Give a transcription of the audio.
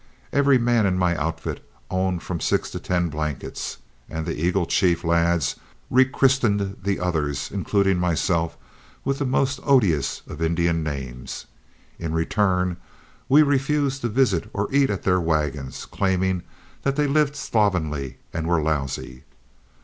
Every man in my outfits owned from six to ten blankets, and the Eagle Chief lads rechristened the others, including myself, with the most odious of Indian names. In return, we refused to visit or eat at their wagons, claiming that they lived slovenly and were lousy.